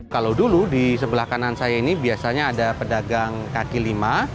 kalau dulu di sebelah kanan saya ini biasanya ada pedagang kaki lima